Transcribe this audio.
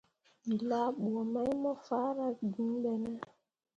We laa bə mai mo faara gŋ be ne?